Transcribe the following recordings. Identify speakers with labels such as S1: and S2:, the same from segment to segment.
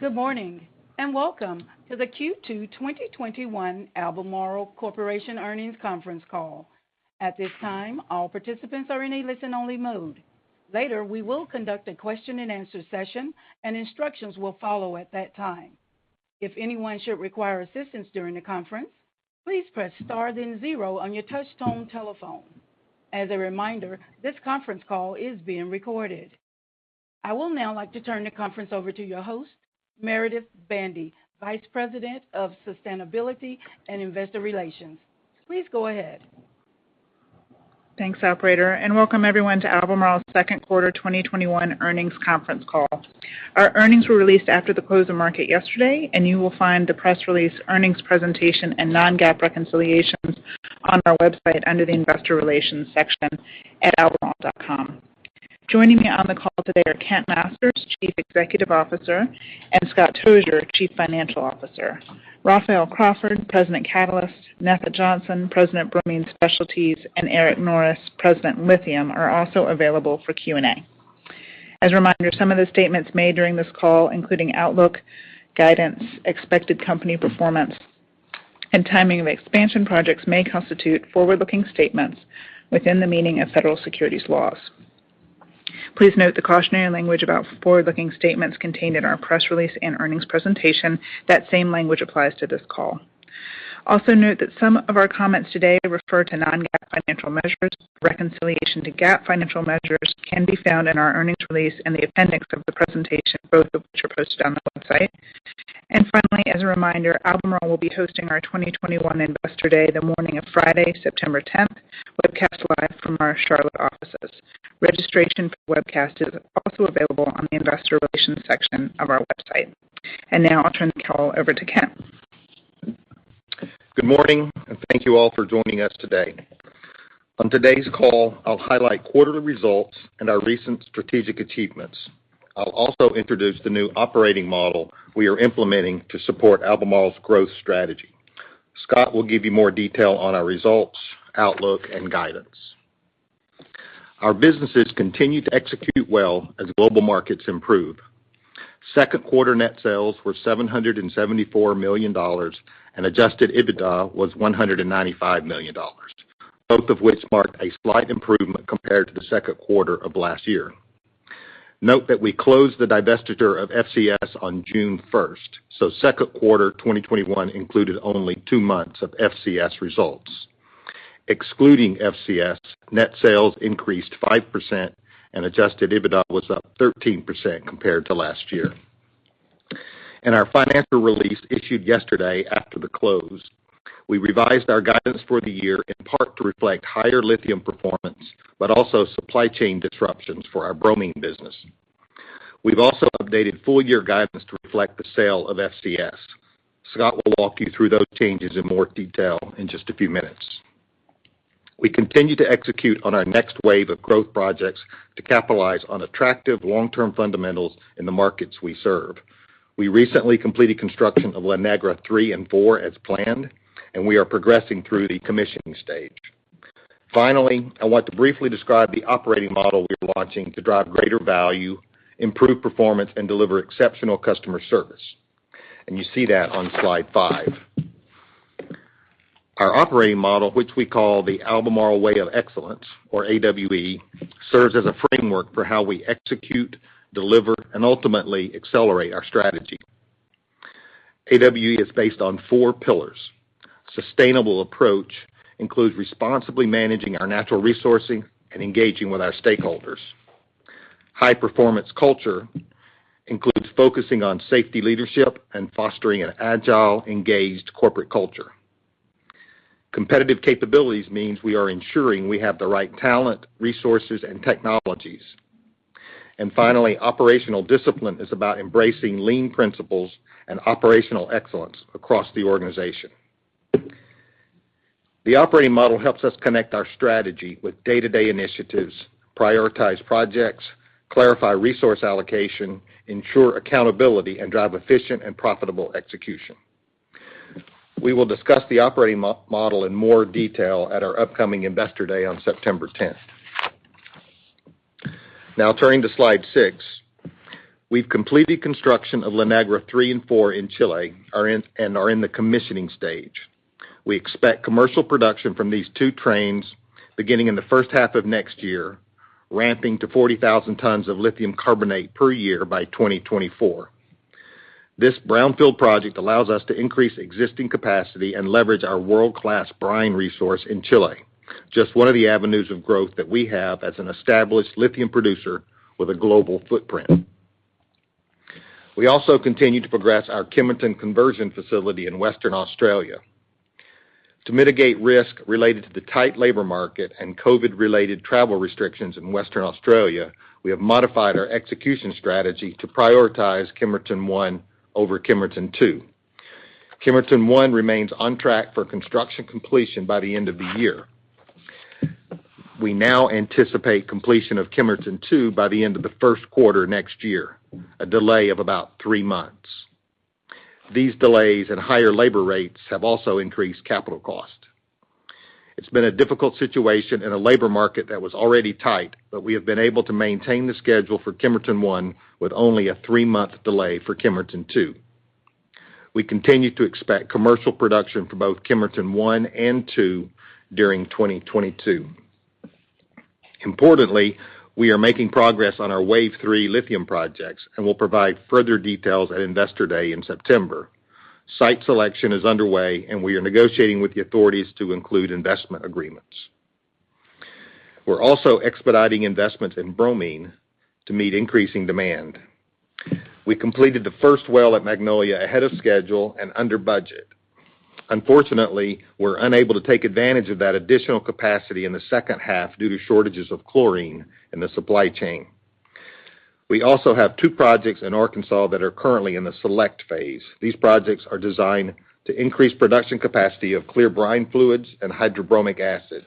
S1: Good morning, and welcome to the Q2 2021 Albemarle Corporation earnings conference call. At this time, all the participants are in a listen-only mode. Later we will conduct a question-and-answer session and instructions will follow at that time. If anyone should require assistance during the conference, please press star then zero on your touchtone telephone. As a reminder this confence call is being recorded. I will now like to turn the conference over to your host, Meredith Bandy, Vice President of Sustainability and Investor Relations. Please go ahead.
S2: Thanks, operator, and welcome everyone to Albemarle's Q2 2021 earnings conference call. Our earnings were released after the close of market yesterday. You will find the press release earnings presentation and non-GAAP reconciliations on our website under the investor relations section at albemarle.com. Joining me on the call today are Kent Masters, Chief Executive Officer, and Scott Tozier, Chief Financial Officer. Raphael Crawford, President, Catalysts, Netha Johnson, President, Bromine Specialties, and Eric Norris, President, Lithium, are also available for Q&A. As a reminder, some of the statements made during this call, including outlook, guidance, expected company performance, and timing of expansion projects, may constitute forward-looking statements within the meaning of federal securities laws. Please note the cautionary language about forward-looking statements contained in our press release and earnings presentation. That same language applies to this call. Also note that some of our comments today refer to non-GAAP financial measures. Reconciliation to GAAP financial measures can be found in our earnings release in the appendix of the presentation, both of which are posted on the website. Finally, as a reminder, Albemarle will be hosting our 2021 Investor Day the morning of Friday, September 10th, webcast live from our Charlotte offices. Registration for the webcast is also available on the investor relations section of our website. Now I'll turn the call over to Kent.
S3: Good morning, and thank you all for joining us today. On today's call, I'll highlight quarterly results and our recent strategic achievements. I'll also introduce the new operating model we are implementing to support Albemarle's growth strategy. Scott will give you more detail on our results, outlook, and guidance. Our businesses continue to execute well as global markets improve. Second quarter net sales were $774 million, Adjusted EBITDA was $195 million, both of which marked a slight improvement compared to the second quarter of last year. Note that we closed the divestiture of FCS on June 1st, so second quarter 2021 included only two months of FCS results. Excluding FCS, net sales increased 5% and Adjusted EBITDA was up 13% compared to last year. In our financial release issued yesterday after the close, we revised our guidance for the year in part to reflect higher lithium performance, but also supply chain disruptions for our bromine business. We've also updated full-year guidance to reflect the sale of FCS. Scott will walk you through those changes in more detail in just a few minutes. We continue to execute on our next wave of growth projects to capitalize on attractive long-term fundamentals in the markets we serve. We recently completed construction of La Negra III and IV as planned, and we are progressing through the commissioning stage. Finally, I want to briefly describe the operating model we are launching to drive greater value, improve performance, and deliver exceptional customer service. You see that on slide five. Our operating model, which we call the Albemarle Way of Excellence, or AWE, serves as a framework for how we execute, deliver, and ultimately accelerate our strategy. AWE is based on four pillars. Sustainable approach includes responsibly managing our natural resourcing and engaging with our stakeholders. High-performance culture includes focusing on safety leadership and fostering an agile, engaged corporate culture. Competitive capabilities means we are ensuring we have the right talent, resources, and technologies. Finally, operational discipline is about embracing lean principles and operational excellence across the organization. The operating model helps us connect our strategy with day-to-day initiatives, prioritize projects, clarify resource allocation, ensure accountability, and drive efficient and profitable execution. We will discuss the operating model in more detail at our upcoming Investor Day on September 10th. Turning to slide six. We've completed construction of La Negra III and IV in Chile, and are in the commissioning stage. We expect commercial production from these two trains beginning in the first half of next year, ramping to 40,000 tons of lithium carbonate per year by 2024. This brownfield project allows us to increase existing capacity and leverage our world-class brine resource in Chile, just one of the avenues of growth that we have as an established lithium producer with a global footprint. We also continue to progress our Kemerton conversion facility in Western Australia. To mitigate risk related to the tight labor market and COVID-related travel restrictions in Western Australia, we have modified our execution strategy to prioritize Kemerton 1 over Kemerton 2. Kemerton 1 remains on track for construction completion by the end of the year. We now anticipate completion of Kemerton 2 by the end of the first quarter next year, a delay of about three months. These delays and higher labor rates have also increased capital costs. It's been a difficult situation in a labor market that was already tight, but we have been able to maintain the schedule for Kemerton 1, with only a three-month delay for Kemerton 2. We continue to expect commercial production for both Kemerton 1 and 2 during 2022. Importantly, we are making progress on our Wave 3 lithium projects and will provide further details at Investor Day in September. Site selection is underway, and we are negotiating with the authorities to include investment agreements. We're also expediting investments in bromine to meet increasing demand. We completed the first well at Magnolia ahead of schedule and under budget. Unfortunately, we're unable to take advantage of that additional capacity in the second half due to shortages of chlorine in the supply chain. We also have two projects in Arkansas that are currently in the select phase. These projects are designed to increase production capacity of clear brine fluids and hydrobromic acid.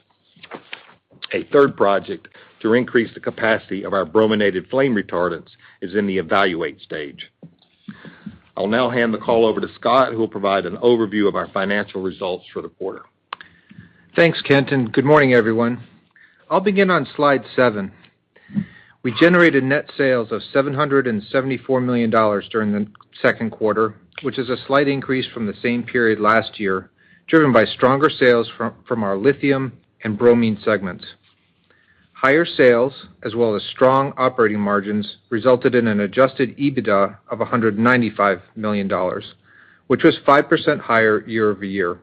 S3: A third project to increase the capacity of our brominated flame retardants is in the evaluate stage. I'll now hand the call over to Scott, who will provide an overview of our financial results for the quarter.
S4: Thanks, Kent. Good morning, everyone. I'll begin on slide seven. We generated net sales of $774 million during the second quarter, which is a slight increase from the same period last year, driven by stronger sales from our Lithium and Bromine segments. Higher sales, as well as strong operating margins, resulted in an Adjusted EBITDA of $195 million, which was 5% higher YoY.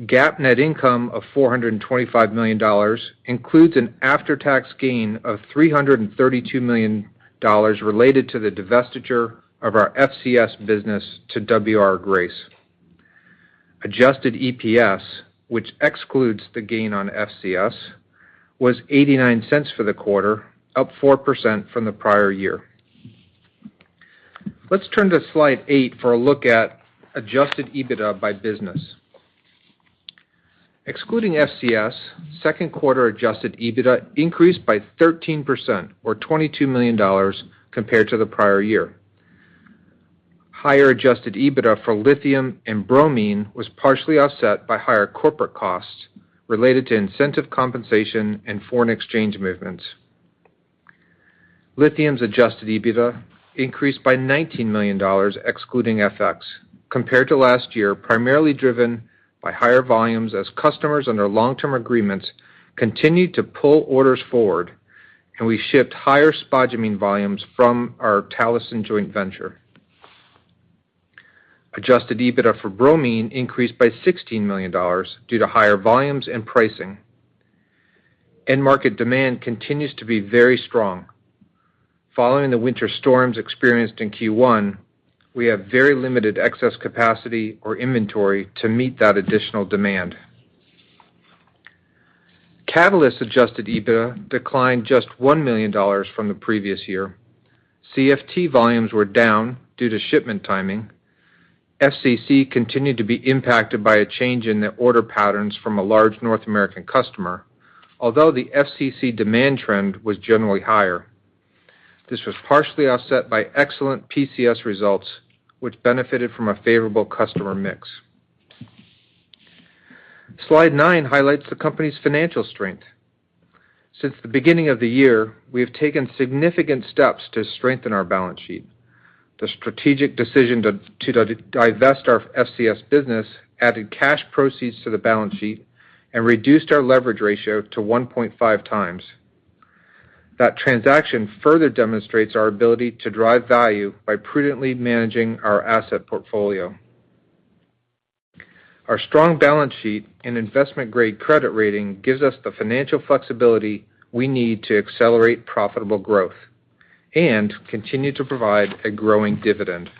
S4: GAAP net income of $425 million includes an after-tax gain of $332 million related to the divestiture of our FCS business to W. R. Grace & Co. Adjusted EPS, which excludes the gain on FCS, was $0.89 for the quarter, up 4% from the prior year. Let's turn to slide eight for a look at Adjusted EBITDA by business. Excluding FCS, second quarter Adjusted EBITDA increased by 13%, or $22 million, compared to the prior year. Higher Adjusted EBITDA for lithium and bromine was partially offset by higher corporate costs related to incentive compensation and foreign exchange movements. Lithium's Adjusted EBITDA increased by $19 million excluding FX compared to last year, primarily driven by higher volumes as customers under long-term agreements continued to pull orders forward, and we shipped higher spodumene volumes from our Talison joint venture. Adjusted EBITDA for bromine increased by $16 million due to higher volumes and pricing. End market demand continues to be very strong. Following the winter storms experienced in Q1, we have very limited excess capacity or inventory to meet that additional demand. Catalyst Adjusted EBITDA declined just $1 million from the previous year. CFT volumes were down due to shipment timing. FCC continued to be impacted by a change in the order patterns from a large North American customer, although the FCC demand trend was generally higher. This was partially offset by excellent PCS results, which benefited from a favorable customer mix. Slide nine highlights the company's financial strength. Since the beginning of the year, we have taken significant steps to strengthen our balance sheet. The strategic decision to divest our FCS business added cash proceeds to the balance sheet and reduced our leverage ratio to 1.5x. That transaction further demonstrates our ability to drive value by prudently managing our asset portfolio. Our strong balance sheet and investment-grade credit rating gives us the financial flexibility we need to accelerate profitable growth and continue to provide a growing dividend.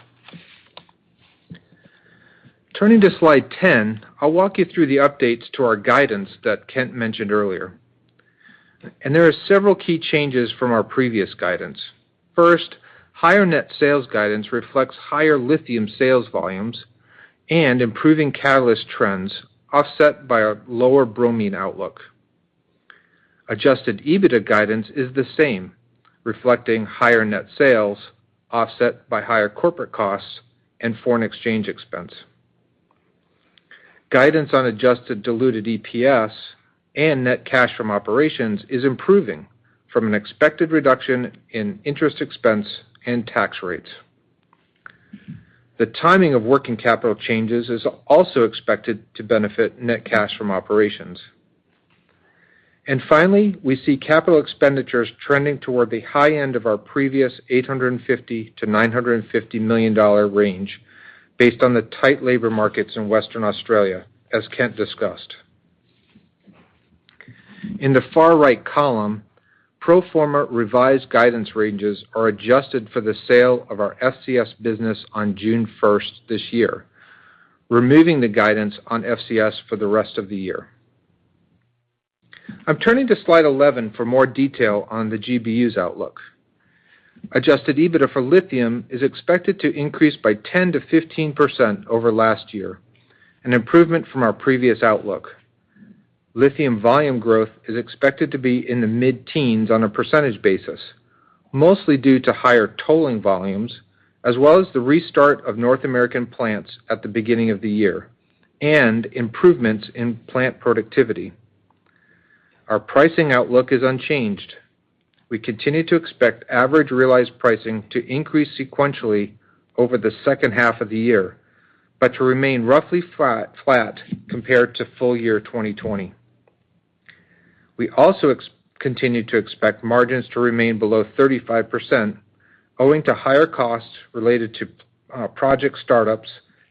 S4: Turning to Slide 10, I'll walk you through the updates to our guidance that Kent mentioned earlier. There are several key changes from our previous guidance. First, higher net sales guidance reflects higher lithium sales volumes and improving catalyst trends offset by a lower bromine outlook. Adjusted EBITDA guidance is the same, reflecting higher net sales offset by higher corporate costs and foreign exchange expense. Guidance on adjusted diluted EPS and net cash from operations is improving from an expected reduction in interest expense and tax rates. The timing of working capital changes is also expected to benefit net cash from operations. Finally, we see capital expenditures trending toward the high end of our previous $850 million-$950 million range based on the tight labor markets in Western Australia, as Kent discussed. In the far right column, pro forma revised guidance ranges are adjusted for the sale of our FCS business on June 1st this year, removing the guidance on FCS for the rest of the year. I'm turning to slide 11 for more detail on the GBU's outlook. Adjusted EBITDA for lithium is expected to increase by 10%-15% over last year, an improvement from our previous outlook. Lithium volume growth is expected to be in the mid-teens on a percentage basis, mostly due to higher tolling volumes, as well as the restart of North American plants at the beginning of the year, and improvements in plant productivity. Our pricing outlook is unchanged. We continue to expect average realized pricing to increase sequentially over the second half of the year, but to remain roughly flat compared to full year 2020. We also continue to expect margins to remain below 35%, owing to higher costs related to project startups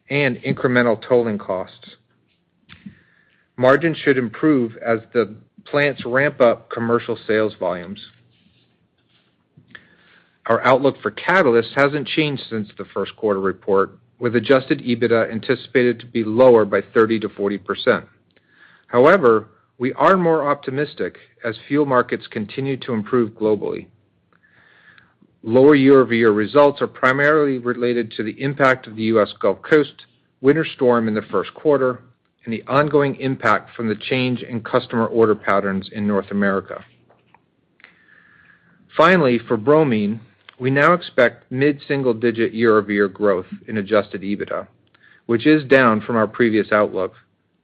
S4: and incremental tolling costs. Margins should improve as the plants ramp up commercial sales volumes. Our outlook for catalyst hasn't changed since the first quarter report, with Adjusted EBITDA anticipated to be lower by 30%-40%. However, we are more optimistic as fuel markets continue to improve globally. Lower YoY results are primarily related to the impact of the U.S. Gulf Coast winter storm in the first quarter and the ongoing impact from the change in customer order patterns in North America. Finally, for bromine, we now expect mid-single-digit YoY growth in Adjusted EBITDA, which is down from our previous outlook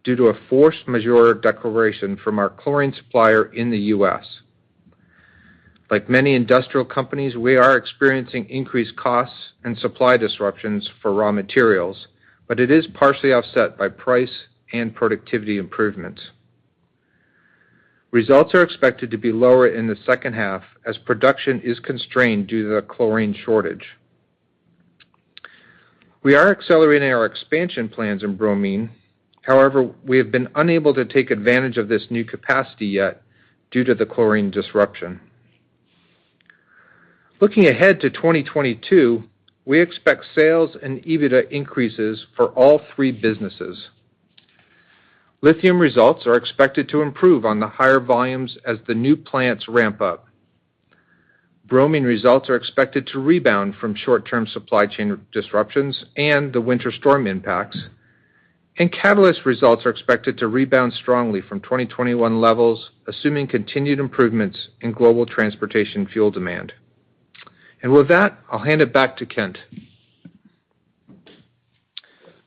S4: due to a force majeure declaration from our chlorine supplier in the U.S. Like many industrial companies, we are experiencing increased costs and supply disruptions for raw materials, but it is partially offset by price and productivity improvements. Results are expected to be lower in the second half as production is constrained due to the chlorine shortage. We are accelerating our expansion plans in bromine. However, we have been unable to take advantage of this new capacity yet due to the chlorine disruption. Looking ahead to 2022, we expect sales and EBITDA increases for all three businesses. Lithium results are expected to improve on the higher volumes as the new plants ramp up. Bromine results are expected to rebound from short-term supply chain disruptions and the winter storm impacts, and Catalysts results are expected to rebound strongly from 2021 levels, assuming continued improvements in global transportation fuel demand. With that, I'll hand it back to Kent.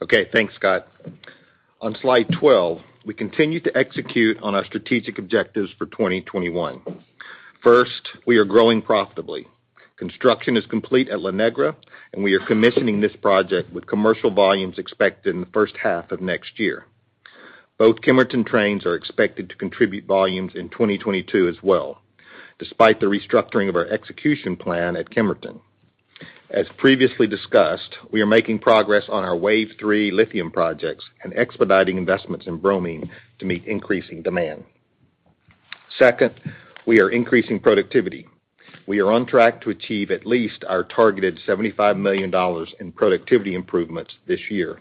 S3: Okay. Thanks, Scott. On slide 12, we continue to execute on our strategic objectives for 2021. First, we are growing profitably. Construction is complete at La Negra, and we are commissioning this project with commercial volumes expected in the first half of next year. Both Kemerton trains are expected to contribute volumes in 2022 as well, despite the restructuring of our execution plan at Kemerton. As previously discussed, we are making progress on our Wave 3 lithium projects and expediting investments in bromine to meet increasing demand. Second, we are increasing productivity. We are on track to achieve at least our targeted $75 million in productivity improvements this year.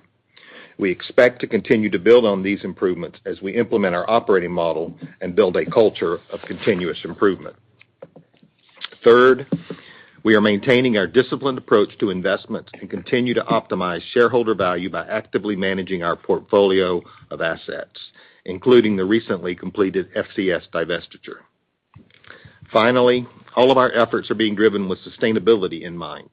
S3: We expect to continue to build on these improvements as we implement our operating model and build a culture of continuous improvement. Third, we are maintaining our disciplined approach to investments and continue to optimize shareholder value by actively managing our portfolio of assets, including the recently completed FCS divestiture. All of our efforts are being driven with sustainability in mind.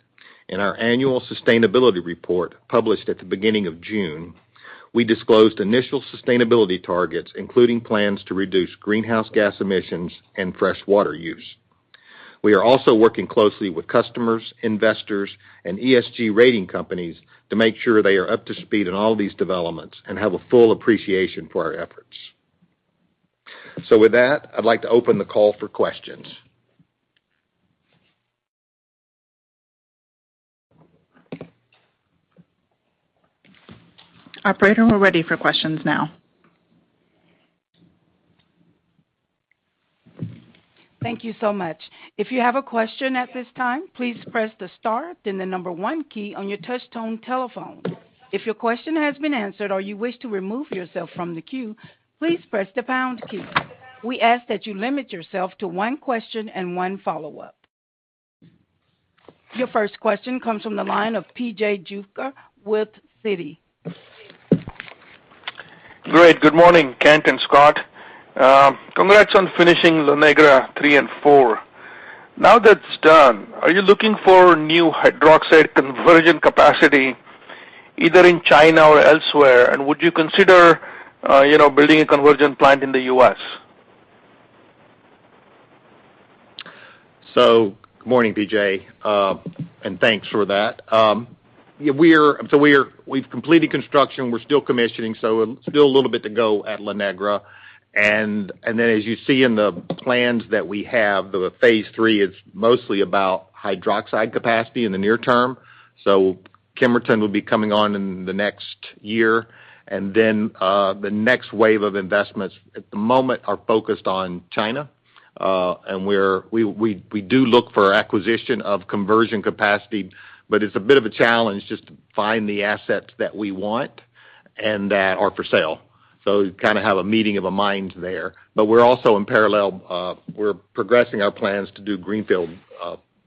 S3: In our annual sustainability report published at the beginning of June, we disclosed initial sustainability targets, including plans to reduce greenhouse gas emissions and freshwater use. We are also working closely with customers, investors, and ESG rating companies to make sure they are up to speed on all these developments and have a full appreciation for our efforts. With that, I'd like to open the call for questions.
S2: Operator, we're ready for questions now.
S1: Thank you so much. If you have a question at this time, please press the star then the number one key on your touch tone telephone. If your question has been answered or you wish to remove yourself from the queue, please press the pound key. We ask that you limit yourself to one question and one follow-up. Your first question comes from the line of P.J. Juvekar with Citi.
S5: Great. Good morning, Kent and Scott. Congrats on finishing La Negra III and IV. Now that it's done, are you looking for new hydroxide conversion capacity either in China or elsewhere? Would you consider building a conversion plant in the U.S.?
S3: Good morning, P.J., and thanks for that. We've completed construction. We're still commissioning, still a little bit to go at La Negra. As you see in the plans that we have, the phase III is mostly about hydroxide capacity in the near term. Kemerton will be coming on in the next year. The next wave of investments at the moment are focused on China. We do look for acquisition of conversion capacity, it's a bit of a challenge just to find the assets that we want and that are for sale. You kind of have a meeting of a mind there. We're also in parallel, we're progressing our plans to do greenfield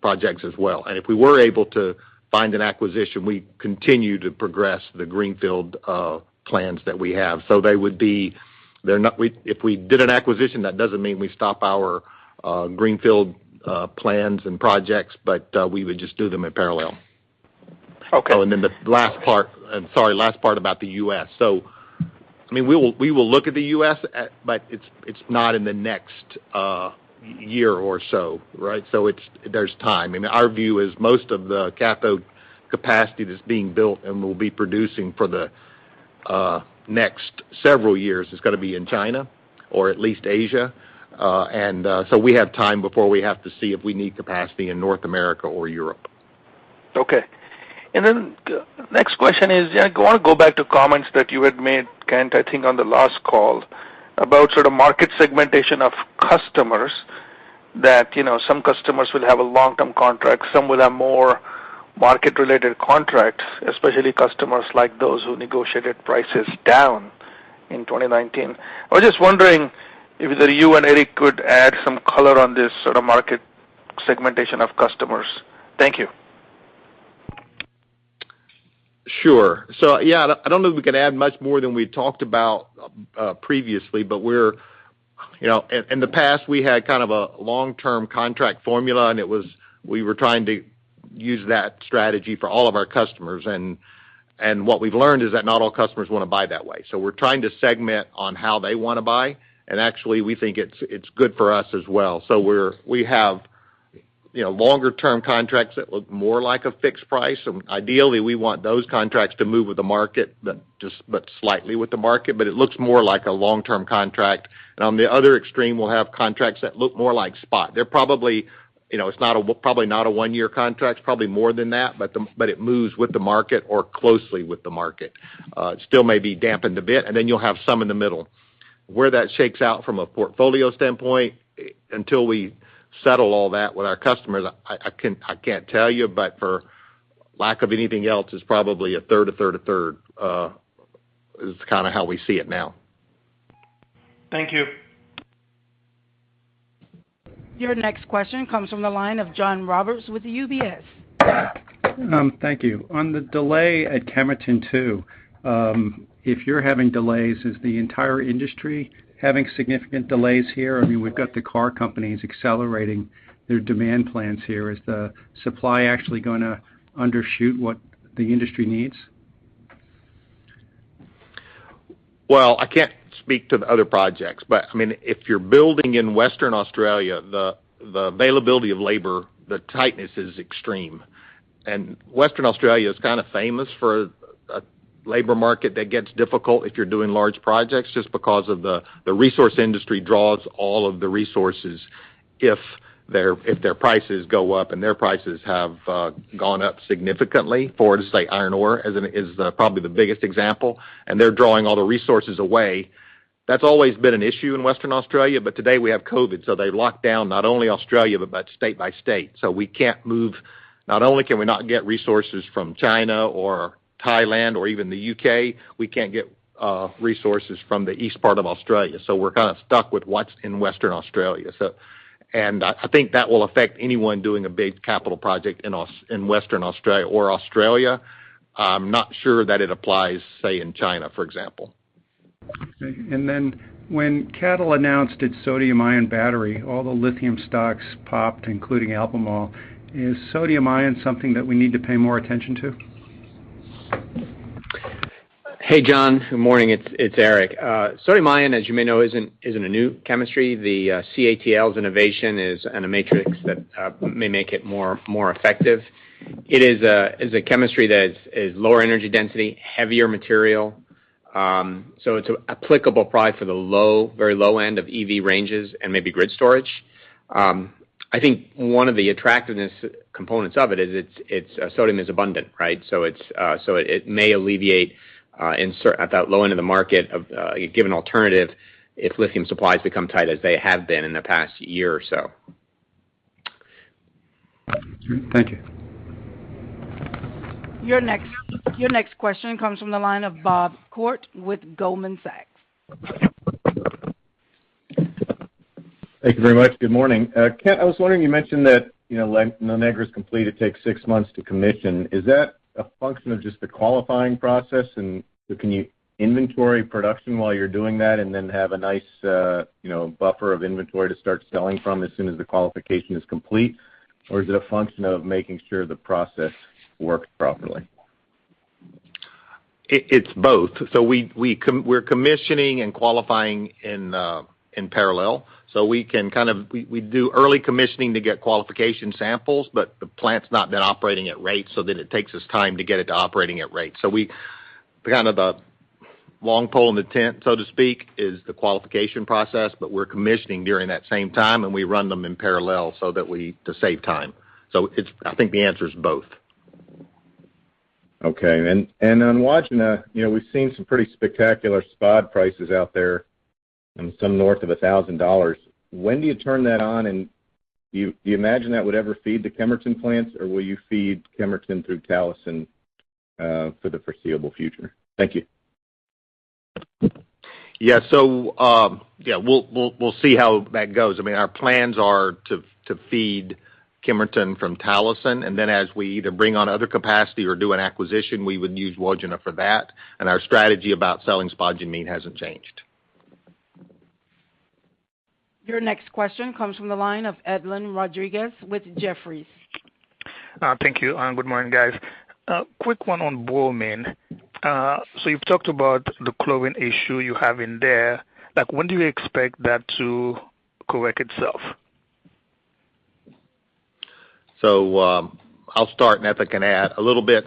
S3: projects as well. If we were able to find an acquisition, we continue to progress the greenfield plans that we have. If we did an acquisition, that doesn't mean we stop our greenfield plans and projects, but we would just do them in parallel.
S5: Okay.
S3: The last part about the U.S. We will look at the U.S., but it's not in the next year or so. There's time. Our view is most of the cathode capacity that's being built and will be producing for the next several years is going to be in China or at least Asia. We have time before we have to see if we need capacity in North America or Europe.
S5: Okay. The next question is, I want to go back to comments that you had made, Kent, I think on the last call about sort of market segmentation of customers, that some customers will have a long-term contract, some will have more market-related contracts, especially customers like those who negotiated prices down in 2019. I was just wondering if either you and Eric could add some color on this sort of market segmentation of customers. Thank you.
S3: Sure. Yeah, I don't know if we can add much more than we talked about previously, but in the past, we had kind of a long-term contract formula, and we were trying to use that strategy for all of our customers. What we've learned is that not all customers want to buy that way. We're trying to segment on how they want to buy, actually, we think it's good for us as well. We have longer-term contracts that look more like a fixed price. Ideally, we want those contracts to move with the market, slightly with the market. It looks more like a long-term contract. On the other extreme, we'll have contracts that look more like spot. It's probably not a one-year contract, it's probably more than that, it moves with the market or closely with the market. It still may be dampened a bit. You'll have some in the middle. Where that shakes out from a portfolio standpoint, until we settle all that with our customers, I can't tell you, but for lack of anything else, it's probably a third, a third, a third, is kind of how we see it now.
S5: Thank you.
S1: Your next question comes from the line of John Roberts with UBS.
S6: Thank you. On the delay at Kemerton 2, if you're having delays, is the entire industry having significant delays here? We've got the car companies accelerating their demand plans here. Is the supply actually going to undershoot what the industry needs?
S3: Well, I can't speak to the other projects, but if you're building in Western Australia, the availability of labor, the tightness is extreme. Western Australia is kind of famous for a labor market that gets difficult if you're doing large projects, just because of the resource industry draws all of the resources if their prices go up, and their prices have gone up significantly for, say, iron ore is probably the biggest example, and they're drawing all the resources away. That's always been an issue in Western Australia. Today we have COVID, they've locked down not only Australia, but state by state. We can't move. Not only can we not get resources from China or Thailand or even the U.K., we can't get resources from the east part of Australia. We're kind of stuck with what's in Western Australia. I think that will affect anyone doing a big capital project in Western Australia or Australia. I'm not sure that it applies, say, in China, for example.
S6: Okay. When CATL announced its sodium-ion battery, all the lithium stocks popped, including Albemarle. Is sodium-ion something that we need to pay more attention to?
S7: Hey, John. Good morning. It's Eric. Sodium-ion, as you may know, isn't a new chemistry. The CATL's innovation is in a matrix that may make it more effective. It is a chemistry that is lower energy density, heavier material. It's applicable probably for the very low end of EV ranges and maybe grid storage. I think one of the attractiveness components of it is sodium is abundant. It may alleviate at that low end of the market of a given alternative if lithium supplies become tight as they have been in the past year or so.
S6: Thank you.
S1: Your next question comes from the line of Bob Koort with Goldman Sachs.
S8: Thank you very much. Good morning. Kent, I was wondering, you mentioned that when La Negra's complete, it takes six months to commission. Is that a function of just the qualifying process, and can you inventory production while you're doing that and then have a nice buffer of inventory to start selling from as soon as the qualification is complete? Or is it a function of making sure the process works properly?
S3: It's both. We're commissioning and qualifying in parallel. We do early commissioning to get qualification samples, but the plant's not been operating at rate, so then it takes us time to get it to operating at rate. Kind of the long pole in the tent, so to speak, is the qualification process, but we're commissioning during that same time, and we run them in parallel to save time. I think the answer is both.
S8: Okay. On Wodgina, we've seen some pretty spectacular spod prices out there and some north of $1,000. When do you turn that on, and do you imagine that would ever feed the Kemerton plants, or will you feed Kemerton through Talison for the foreseeable future? Thank you.
S3: We'll see how that goes. Our plans are to feed Kemerton from Talison, and then as we either bring on other capacity or do an acquisition, we would use Wodgina for that. Our strategy about selling spodumene hasn't changed.
S1: Your next question comes from the line of Edlain Rodriguez with Jefferies.
S9: Thank you. Good morning, guys. Quick one on bromine. You've talked about the chlorine issue you have in there. When do you expect that to correct itself?
S3: I'll start and if Netha can add a little bit.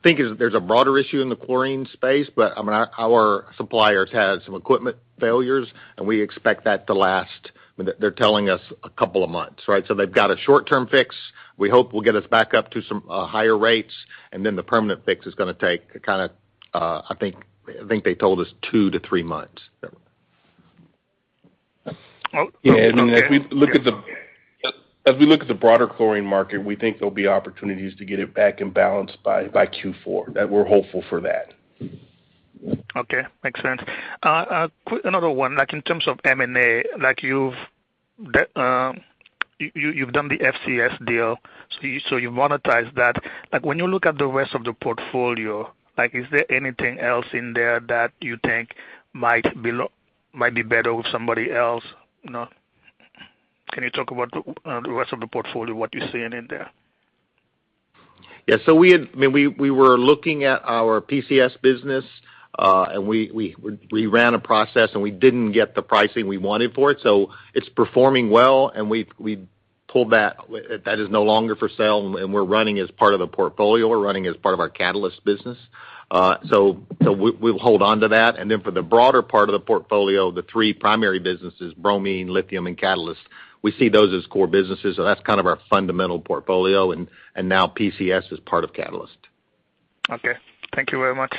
S3: I think there's a broader issue in the chlorine space, but our suppliers had some equipment failures, and we expect that to last, they're telling us, a couple of months, right? They've got a short-term fix we hope will get us back up to some higher rates, and then the permanent fix is going to take, I think they told us two to three months.
S9: Okay.
S10: As we look at the broader chlorine market, we think there'll be opportunities to get it back in balance by Q4. We're hopeful for that.
S9: Okay. Makes sense. Another one, in terms of M&A, you've done the FCS deal, so you've monetized that. When you look at the rest of the portfolio, is there anything else in there that you think might be better with somebody else? Can you talk about the rest of the portfolio, what you're seeing in there?
S3: We were looking at our PCS business, and we ran a process, and we didn't get the pricing we wanted for it. It's performing well, and we pulled that. That is no longer for sale, and we're running as part of a portfolio. We're running as part of our Catalysts business. We'll hold on to that. For the broader part of the portfolio, the three primary businesses, Bromine, Lithium, and Catalysts, we see those as core businesses. That's kind of our fundamental portfolio. Now PCS is part of Catalysts.
S9: Okay. Thank you very much.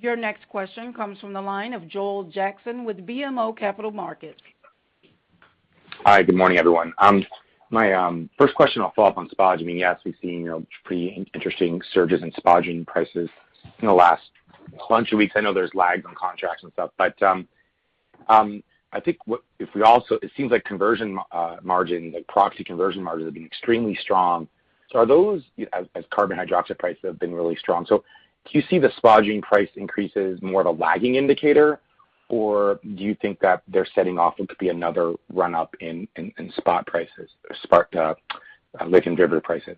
S1: Your next question comes from the line of Joel Jackson with BMO Capital Markets.
S11: Hi, good morning, everyone. My first question, I'll follow up on spodumene. Yes, we've seen pretty interesting surges in spodumene prices in the last bunch of weeks. I know there's lags on contracts and stuff. It seems like proxy conversion margins have been extremely strong as carbonate, hydroxide prices have been really strong. Do you see the spodumene price increases more of a lagging indicator, or do you think that they're setting off what could be another run-up in spot prices or lithium carbonate prices?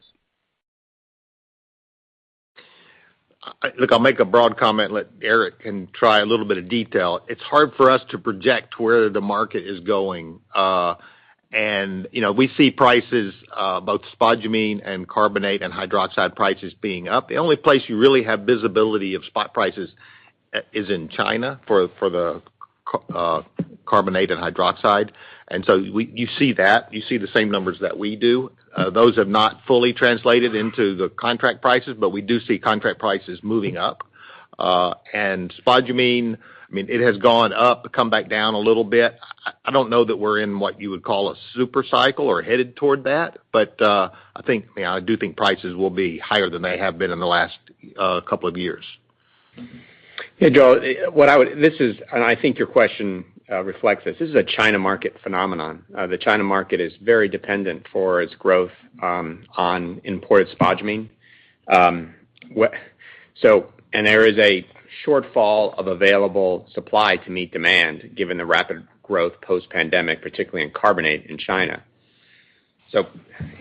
S3: Look, I'll make a broad comment and let Eric try a little bit of detail. It's hard for us to project where the market is going. We see prices, both spodumene and carbonate and hydroxide prices being up. The only place you really have visibility of spot prices is in China for the carbonate and hydroxide. You see that, you see the same numbers that we do. Those have not fully translated into the contract prices, but we do see contract prices moving up. Spodumene, it has gone up, come back down a little bit. I don't know that we're in what you would call a super cycle or headed toward that, but I do think prices will be higher than they have been in the last couple of years.
S7: Hey, Joel. I think your question reflects this. This is a China market phenomenon. The China market is very dependent for its growth on imported spodumene. There is a shortfall of available supply to meet demand given the rapid growth post-pandemic, particularly in carbonate in China.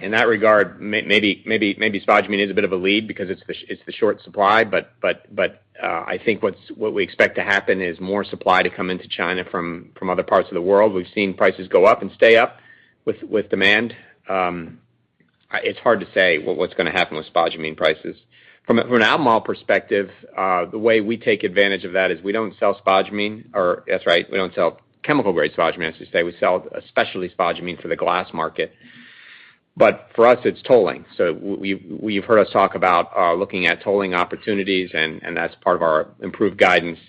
S7: In that regard, maybe spodumene is a bit of a lead because it's the short supply, but I think what we expect to happen is more supply to come into China from other parts of the world. We've seen prices go up and stay up with demand. It's hard to say what's going to happen with spodumene prices. From an Albemarle perspective, the way we take advantage of that is we don't sell spodumene, or that's right, we don't sell chemical-grade spodumene, I should say. We sell specialty spodumene for the glass market. For us, it's tolling. You've heard us talk about looking at tolling opportunities, and that's part of our improved guidance.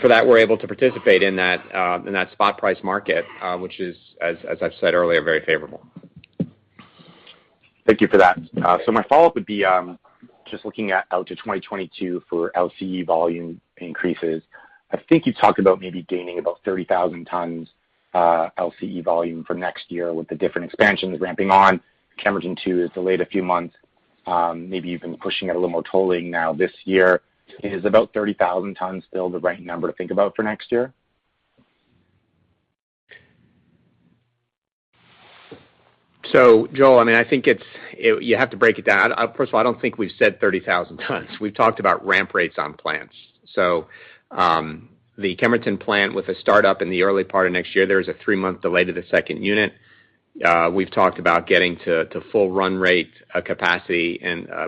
S7: For that, we're able to participate in that spot price market, which is, as I've said earlier, very favorable.
S11: Thank you for that. My follow-up would be just looking out to 2022 for LCE volume increases. I think you talked about maybe gaining about 30,000 tons LCE volume for next year with the different expansions ramping on. Kemerton 2 is delayed a few months. Maybe you've been pushing out a little more tolling now this year. Is about 30,000 tons still the right number to think about for next year?
S7: Joel, I think you have to break it down. First of all, I don't think we've said 30,000 tons. We've talked about ramp rates on plants. The Kemerton plant with a startup in the early part of next year, there is a three-month delay to the second unit. We've talked about getting to full run rate capacity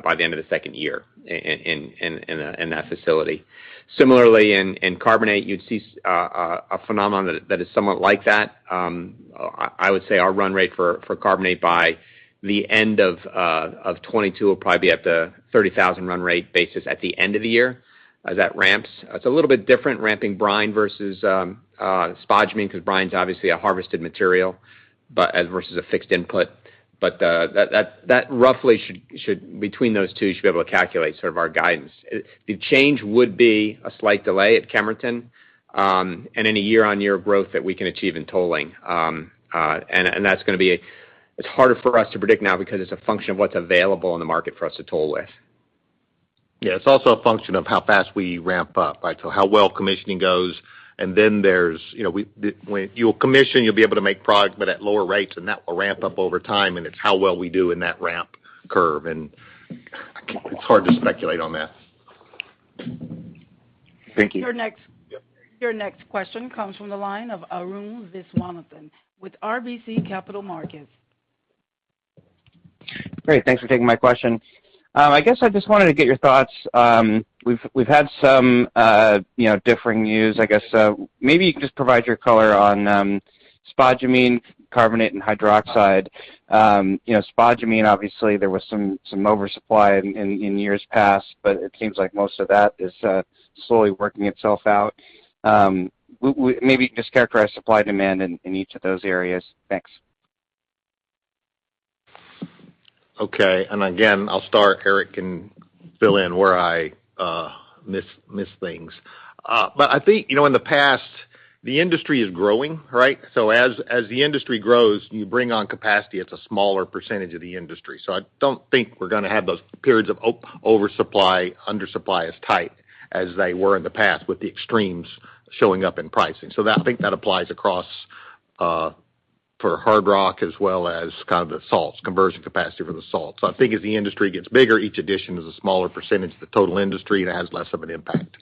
S7: by the end of the second year in that facility. Similarly, in carbonate, you'd see a phenomenon that is somewhat like that. I would say our run rate for carbonate by the end of 2022 will probably be at the 30,000 run rate basis at the end of the year as that ramps. It's a little bit different ramping brine versus spodumene because brine's obviously a harvested material versus a fixed input. That roughly, between those two, you should be able to calculate our guidance. The change would be a slight delay at Kemerton and any year-on-year growth that we can achieve in tolling. That's going to be harder for us to predict now because it's a function of what's available in the market for us to toll with.
S3: Yeah. It's also a function of how fast we ramp up, right? How well commissioning goes, and then you'll commission, you'll be able to make product, but at lower rates, and that will ramp up over time, and it's how well we do in that ramp curve, and it's hard to speculate on that.
S11: Thank you.
S1: Your next question comes from the line of Arun Viswanathan with RBC Capital Markets.
S12: Great. Thanks for taking my question. I guess I just wanted to get your thoughts. We've had some differing views, I guess. Maybe you can just provide your color on spodumene, carbonate, and hydroxide. Spodumene, obviously, there was some oversupply in years past, but it seems like most of that is slowly working itself out. Maybe just characterize supply-demand in each of those areas. Thanks.
S3: Okay. Again, I'll start. Eric can fill in where I miss things. I think, in the past, the industry is growing, right? As the industry grows, you bring on capacity, it's a smaller percentage of the industry. I don't think we're going to have those periods of oversupply, undersupply as tight as they were in the past with the extremes showing up in pricing. I think that applies across for hard rock as well as the salts, conversion capacity for the salts. I think as the industry gets bigger, each addition is a smaller percentage of the total industry, and it has less of an impact.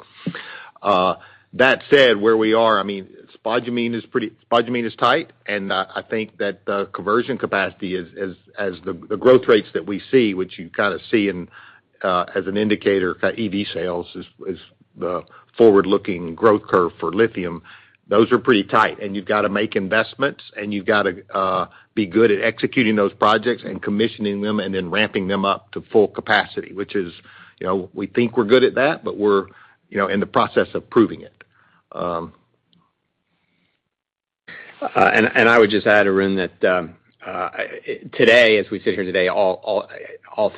S3: That said, where we are, spodumene is tight, and I think that the conversion capacity as the growth rates that we see, which you kind of see as an indicator, EV sales is the forward-looking growth curve for lithium. Those are pretty tight, and you've got to make investments, and you've got to be good at executing those projects and commissioning them and then ramping them up to full capacity, which is, we think we're good at that, but we're in the process of proving it.
S7: I would just add, Arun, that today, as we sit here today, all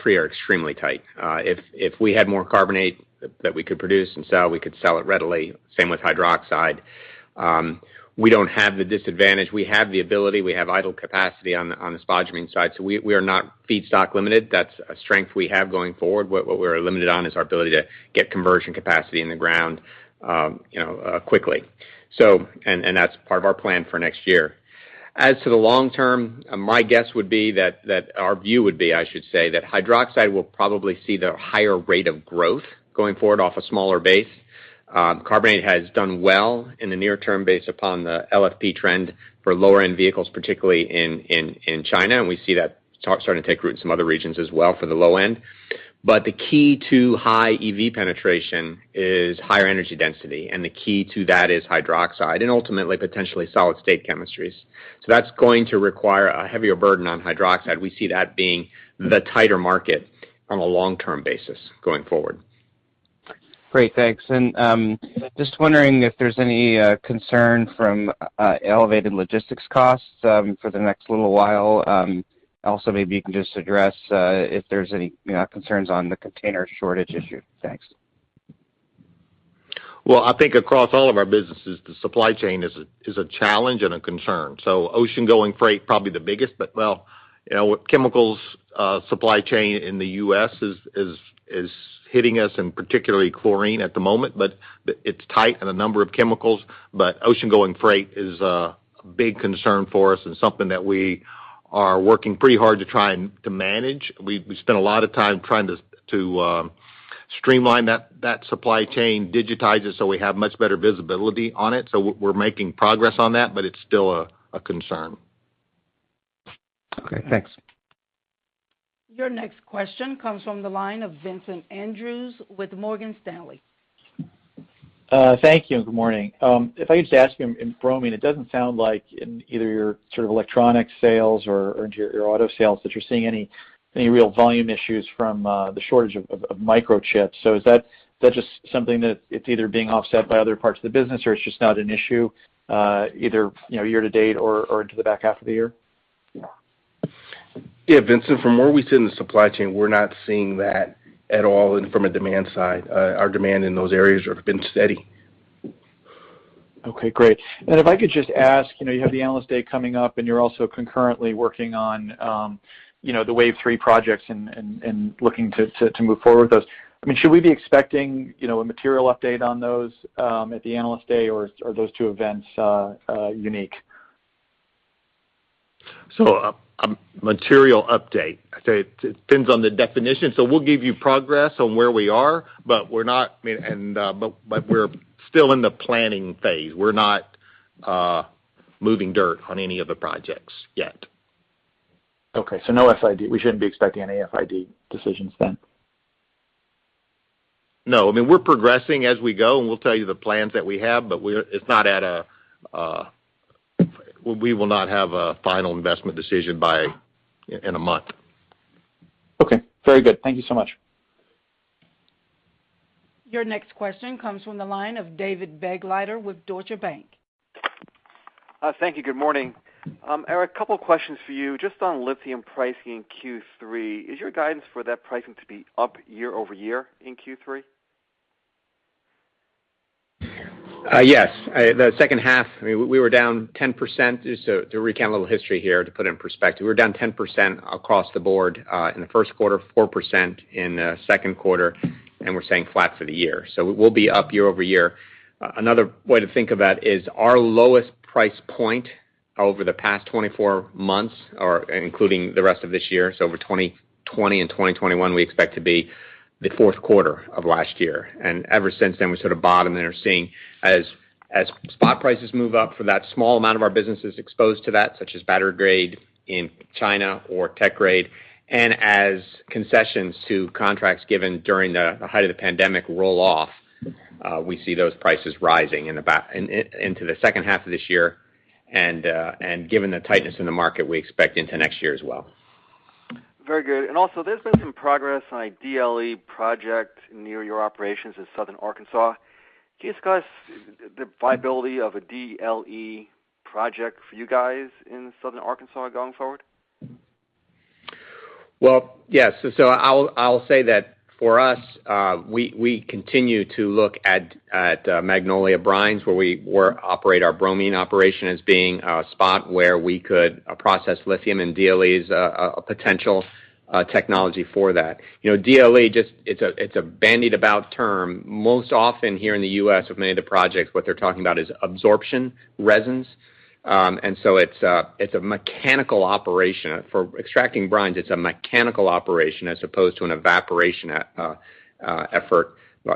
S7: three are extremely tight. If we had more carbonate that we could produce and sell, we could sell it readily. Same with hydroxide. We don't have the disadvantage. We have the ability. We have idle capacity on the spodumene side, so we are not feedstock limited. That's a strength we have going forward. What we're limited on is our ability to get conversion capacity in the ground quickly. That's part of our plan for next year. As to the long term, my guess would be that, our view would be, I should say, that hydroxide will probably see the higher rate of growth going forward off a smaller base. Carbonate has done well in the near term based upon the LFP trend for lower-end vehicles, particularly in China, and we see that starting to take root in some other regions as well for the low end. The key to high EV penetration is higher energy density, and the key to that is hydroxide and ultimately potentially solid-state chemistries. That's going to require a heavier burden on hydroxide. We see that being the tighter market on a long-term basis going forward.
S12: Great. Thanks. Just wondering if there's any concern from elevated logistics costs for the next little while. Also, maybe you can just address if there's any concerns on the container shortage issue. Thanks.
S3: Well, I think across all of our businesses, the supply chain is a challenge and a concern. Ocean-going freight, probably the biggest, but well, chemicals supply chain in the U.S. is hitting us, and particularly chlorine at the moment, but it's tight in a number of chemicals. Ocean-going freight is a big concern for us and something that we are working pretty hard to try and to manage. We've spent a lot of time trying to streamline that supply chain, digitize it so we have much better visibility on it. We're making progress on that, but it's still a concern.
S12: Okay, thanks.
S1: Your next question comes from the line of Vincent Andrews with Morgan Stanley.
S13: Thank you, and good morning. If I could just ask you, in bromine, it doesn't sound like in either your electronic sales or into your auto sales that you're seeing any real volume issues from the shortage of microchips. Is that just something that it's either being offset by other parts of the business or it's just not an issue, either year-to-date or into the back half of the year?
S3: Yeah. Vincent, from where we sit in the supply chain, we're not seeing that at all from a demand side. Our demand in those areas have been steady.
S13: Okay, great. If I could just ask, you have the Analyst Day coming up, and you're also concurrently working on the Wave 3 projects and looking to move forward with those. Should we be expecting a material update on those at the Analyst Day, or are those two events unique?
S3: A material update. It depends on the definition. We'll give you progress on where we are, but we're still in the planning phase. We're not moving dirt on any of the projects yet.
S13: Okay. No FID, we shouldn't be expecting any FID decisions then?
S3: No. We're progressing as we go, and we'll tell you the plans that we have, but we will not have a final investment decision in a month.
S13: Okay. Very good. Thank you so much.
S1: Your next question comes from the line of David Begleiter with Deutsche Bank.
S14: Thank you. Good morning. Eric, a couple questions for you. Just on lithium pricing in Q3, is your guidance for that pricing to be up YoY in Q3?
S7: Yes. The second half, we were down 10%. Just to recount a little history here, to put it in perspective, we were down 10% across the board, in the first quarter, 4% in the second quarter, and we're staying flat for the year. We'll be up YoY. Another way to think of that is our lowest price point over the past 24 months are including the rest of this year. Over 2020 and 2021, we expect to be the fourth quarter of last year. Ever since then, we sort of bottomed and are seeing as spot prices move up for that small amount of our business is exposed to that, such as battery grade in China or tech grade. As concessions to contracts given during the height of the pandemic roll off, we see those prices rising into the second half of this year. Given the tightness in the market, we expect into next year as well.
S14: Very good. Also there's been some progress on a DLE project near your operations in southern Arkansas. Can you discuss the viability of a DLE project for you guys in southern Arkansas going forward?
S7: Well, yes. I'll say that for us, we continue to look at Magnolia Brines, where we operate our bromine operation, as being a spot where we could process lithium and DLEs, a potential technology for that. DLE, it's a bandied about term most often here in the U.S. with many of the projects, what they're talking about is absorption resins. It's a mechanical operation. For extracting brines, it's a mechanical operation as opposed to an evaporation effort,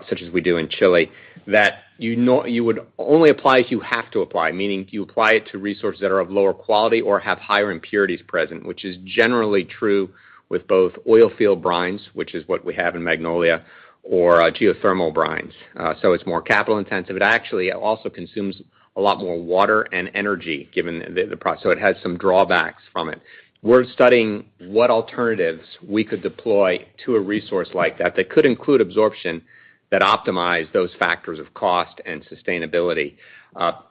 S7: such as we do in Chile, that you would only apply if you have to apply, meaning you apply it to resources that are of lower quality or have higher impurities present, which is generally true with both oil field brines, which is what we have in Magnolia or geothermal brines. It's more capital intensive. It actually also consumes a lot more water and energy, so it has some drawbacks from it. We're studying what alternatives we could deploy to a resource like that could include absorption that optimize those factors of cost and sustainability.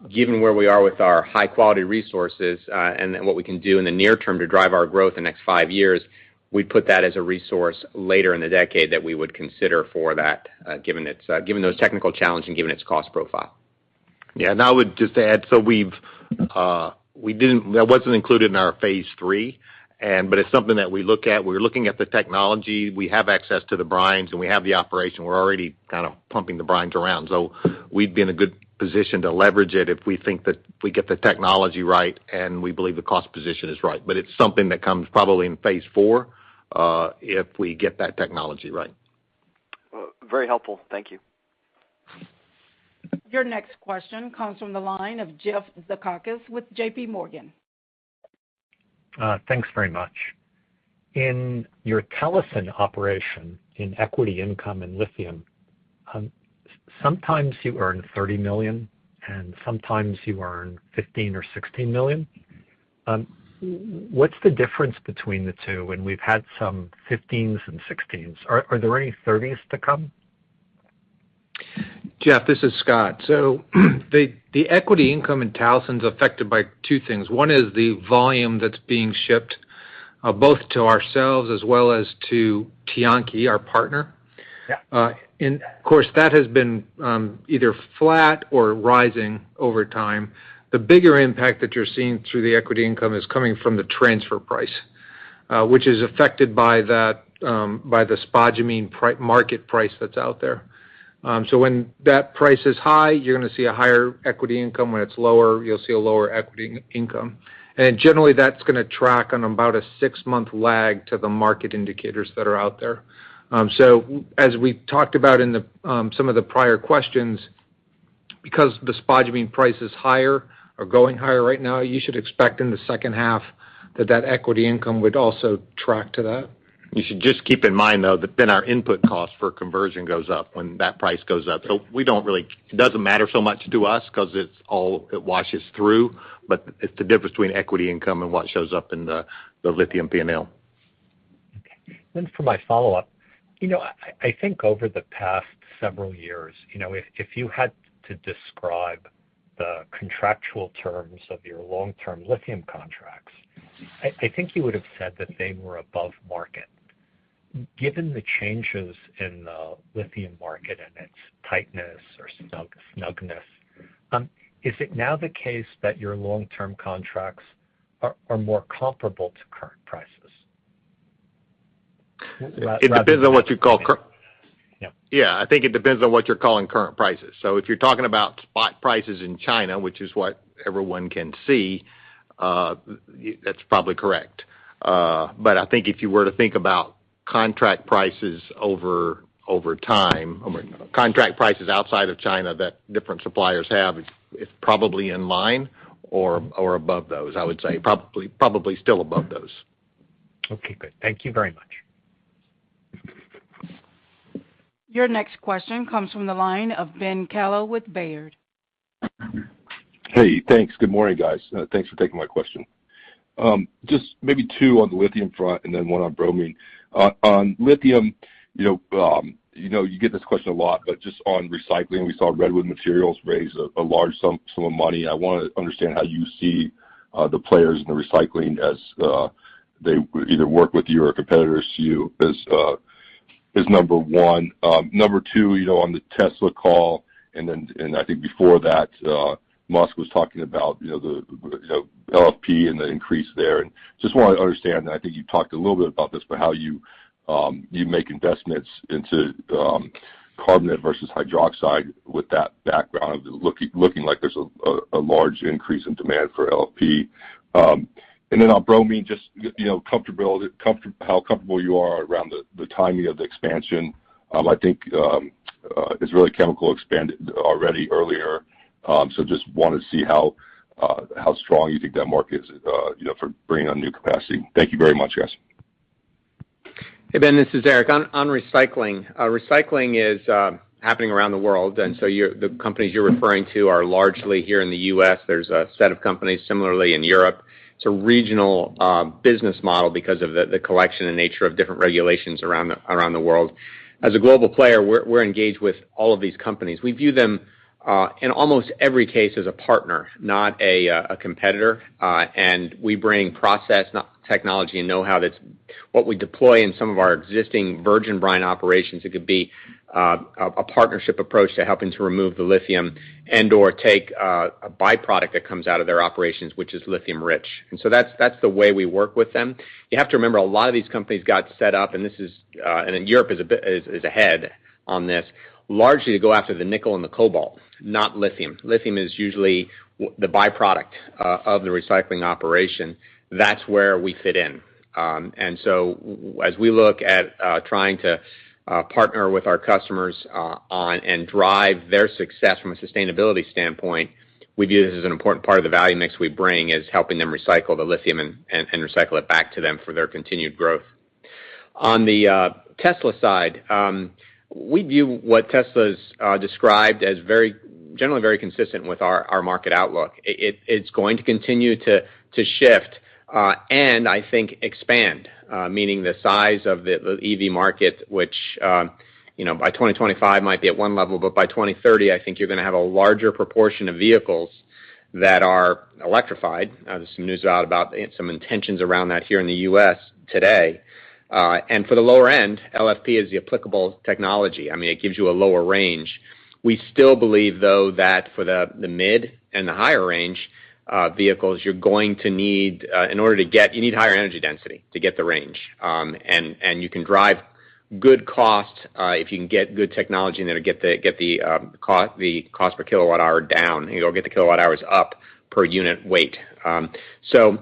S7: Given where we are with our high-quality resources, and then what we can do in the near term to drive our growth in the next five years, we'd put that as a resource later in the decade that we would consider for that, given those technical challenge and given its cost profile.
S3: Yeah, and I would just add, so that wasn't included in our phase III, but it's something that we look at. We're looking at the technology. We have access to the brines, and we have the operation. We're already kind of pumping the brines around. We'd be in a good position to leverage it if we think that we get the technology right, and we believe the cost position is right. It's something that comes probably in phase IV, if we get that technology right.
S14: Very helpful. Thank you.
S1: Your next question comes from the line of Jeff Zekauskas with J.P. Morgan.
S15: Thanks very much. In your Talison operation in equity income and lithium, sometimes you earn $30 million, and sometimes you earn $15 million or $16 million. What's the difference between the two when we've had some $15s and $16s? Are there any $30s to come?
S4: Jeff, this is Scott. The equity income in Talison is affected by two things. One is the volume that's being shipped, both to ourselves as well as to Tianqi, our partner.
S15: Yeah.
S4: Of course, that has been either flat or rising over time. The bigger impact that you're seeing through the equity income is coming from the transfer price, which is affected by the spodumene market price that's out there. When that price is high, you're going to see a higher equity income. When it's lower, you'll see a lower equity income. Generally, that's going to track on about a six-month lag to the market indicators that are out there. As we talked about in some of the prior questions, because the spodumene price is higher or going higher right now, you should expect in the second half that that equity income would also track to that.
S7: You should just keep in mind, though, that our input cost for conversion goes up when that price goes up. It doesn't matter so much to us because it washes through. It's the difference between equity income and what shows up in the lithium P&L.
S15: Okay. For my follow-up, I think over the past several years, if you had to describe the contractual terms of your long-term lithium contracts, I think you would have said that they were above market. Given the changes in the lithium market and its tightness or snugness, is it now the case that your long-term contracts are more comparable to current prices?
S7: It depends on what you call-
S15: Yeah.
S7: Yeah, I think it depends on what you're calling current prices. If you're talking about spot prices in China, which is what everyone can see, that's probably correct. I think if you were to think about contract prices over time, contract prices outside of China that different suppliers have, it's probably in line or above those, I would say. Probably still above those.
S15: Okay, good. Thank you very much.
S1: Your next question comes from the line of Ben Kallo with Baird.
S16: Hey, thanks. Good morning, guys. Thanks for taking my question. Just maybe two on the lithium front and then one on bromine. On lithium, you get this question a lot, but just on recycling, we saw Redwood Materials raise a large sum of money. I want to understand how you see the players in the recycling as they either work with you or competitors to you as is number one. Number two, on the Tesla call, I think before that, Musk was talking about the LFP and the increase there. Just want to understand, and I think you talked a little bit about this, but how you make investments into carbonate versus hydroxide with that background, looking like there's a large increase in demand for LFP. Then on bromine, just how comfortable you are around the timing of the expansion. I think ICL Group expanded already earlier. Just want to see how strong you think that market is for bringing on new capacity. Thank you very much, guys.
S7: Hey, Ben, this is Eric. On recycling. Recycling is happening around the world. The companies you're referring to are largely here in the U.S. There's a set of companies similarly in Europe. It's a regional business model because of the collection and nature of different regulations around the world. As a global player, we're engaged with all of these companies. We view them, in almost every case, as a partner, not a competitor. We bring process, technology, and know-how that's what we deploy in some of our existing virgin brine operations. It could be a partnership approach to helping to remove the lithium and/or take a byproduct that comes out of their operations, which is lithium rich. That's the way we work with them. You have to remember, a lot of these companies got set up, in Europe is ahead on this, largely to go after the nickel and the cobalt, not lithium. Lithium is usually the byproduct of the recycling operation. That's where we fit in. As we look at trying to partner with our customers on and drive their success from a sustainability standpoint, we view this as an important part of the value mix we bring is helping them recycle the lithium and recycle it back to them for their continued growth. On the Tesla side, we view what Tesla's described as generally very consistent with our market outlook. It's going to continue to shift, and I think expand. Meaning the size of the EV market, which by 2025 might be at one level, but by 2030, I think you're going to have a larger proportion of vehicles that are electrified. There's some news out about some intentions around that here in the U.S. today. For the lower end, LFP is the applicable technology. I mean, it gives you a lower range. We still believe, though, that for the mid and the higher range vehicles, you need higher energy density to get the range. You can drive good cost if you can get good technology in there to get the cost per kilowatt hour down, and you'll get the kilowatt hours up per unit weight. That's the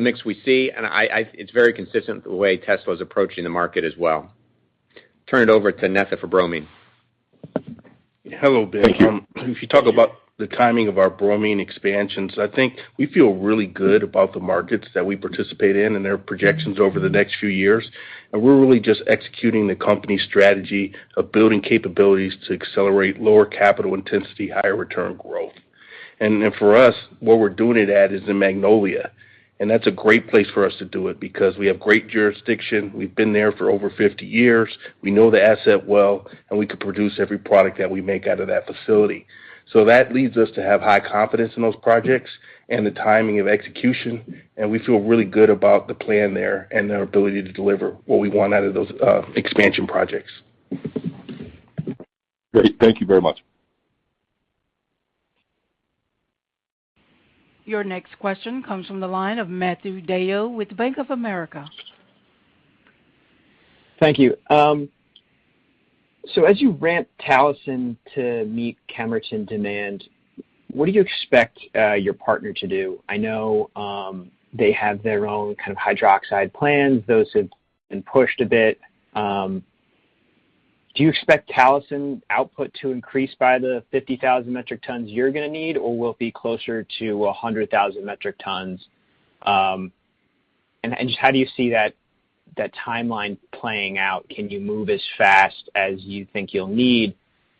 S7: mix we see, and it's very consistent the way Tesla is approaching the market as well. Turn it over to Netha for bromine.
S10: Hello, Ben.
S16: Thank you.
S10: If you talk about the timing of our bromine expansions, I think we feel really good about the markets that we participate in and their projections over the next few years. We're really just executing the company strategy of building capabilities to accelerate lower capital intensity, higher return growth. For us, where we're doing it at is in Magnolia. That's a great place for us to do it because we have great jurisdiction. We've been there for over 50 years. We know the asset well, and we can produce every product that we make out of that facility. That leads us to have high confidence in those projects and the timing of execution, and we feel really good about the plan there and our ability to deliver what we want out of those expansion projects.
S16: Great. Thank you very much.
S1: Your next question comes from the line of Matthew DeYoe with Bank of America.
S17: Thank you. As you ramp Talison to meet Kemerton demand, what do you expect your partner to do? I know they have their own kind of hydroxide plans. Those have been pushed a bit. Do you expect Talison output to increase by the 50,000 metric tons you're going to need, or will it be closer to 100,000 metric tons? Just how do you see that timeline playing out? Can you move as fast as you think you'll need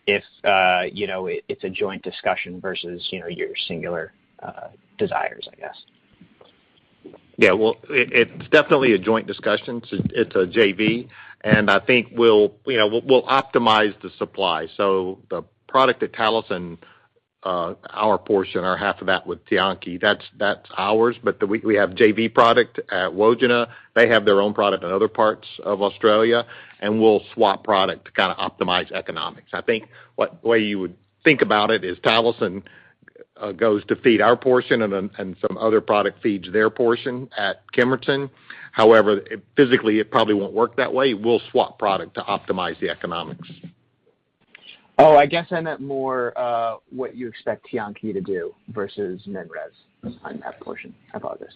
S17: if it's a joint discussion versus your singular desires, I guess?
S7: Well, it's definitely a joint discussion. It's a JV. I think we'll optimize the supply. The product at Talison, our portion, our half of that with Tianqi, that's ours. We have JV product at Wodgina. They have their own product in other parts of Australia, and we'll swap product to kind of optimize economics. I think what way you would think about it is Talison goes to feed our portion and some other product feeds their portion at Kemerton. However, physically, it probably won't work that way. We'll swap product to optimize the economics.
S17: Oh, I guess I meant more what you expect Tianqi to do versus MinRes on that portion. I apologize.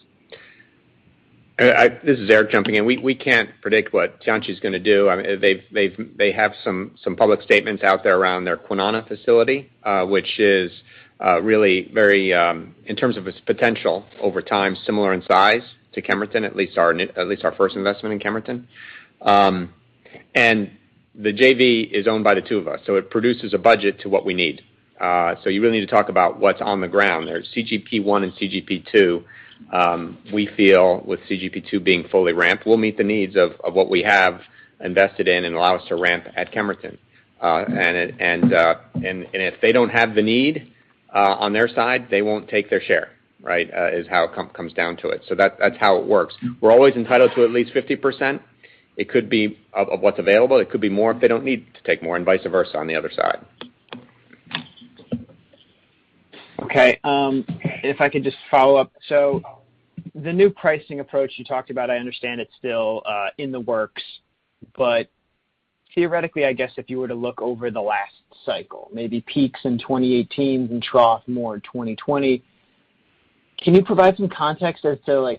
S7: This is Eric jumping in. We can't predict what Tianqi is going to do. They have some public statements out there around their Kwinana facility, which is really very, in terms of its potential over time, similar in size to Kemerton, at least our first investment in Kemerton. The JV is owned by the two of us, it produces a budget to what we need. You really need to talk about what's on the ground. There's CGP1 and CGP2. We feel with CGP2 being fully ramped, we'll meet the needs of what we have invested in and allow us to ramp at Kemerton. If they don't have the need on their side, they won't take their share, right? Is how it comes down to it. That's how it works. We're always entitled to at least 50%. It could be of what's available. It could be more if they don't need to take more and vice versa on the other side.
S17: Okay. If I could just follow-up. The new pricing approach you talked about, I understand it's still in the works, but theoretically, I guess, if you were to look over the last cycle, maybe peaks in 2018 and trough more in 2020, can you provide some context as to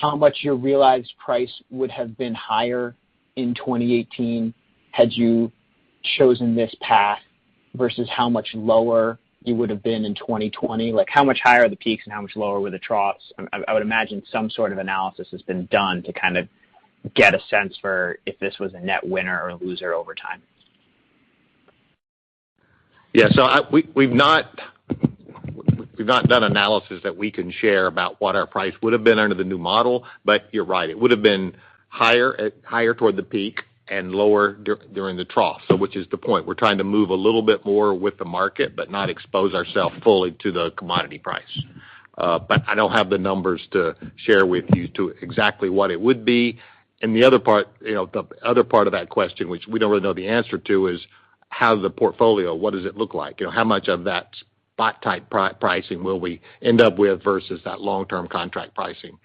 S17: how much your realized price would have been higher in 2018 had you chosen this path versus how much lower you would've been in 2020? How much higher are the peaks and how much lower were the troughs? I would imagine some sort of analysis has been done to kind of get a sense for if this was a net winner or a loser over time.
S3: We've not done analysis that we can share about what our price would've been under the new model, but you're right. It would've been higher toward the peak and lower during the trough. Which is the point. We're trying to move a little bit more with the market, but not expose ourselves fully to the commodity price. I don't have the numbers to share with you to exactly what it would be. The other part of that question, which we don't really know the answer to, is how the portfolio, what does it look like? How much of that spot type pricing will we end up with versus that long-term contract pricing?